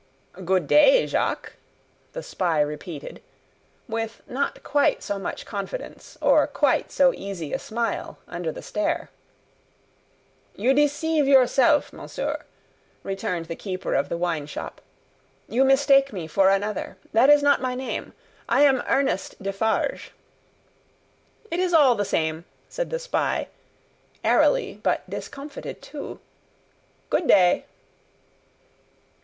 "Good day, Jacques!" the spy repeated; with not quite so much confidence, or quite so easy a smile under the stare. "You deceive yourself, monsieur," returned the keeper of the wine shop. "You mistake me for another. That is not my name. I am Ernest Defarge." "It is all the same," said the spy, airily, but discomfited too: "good day!"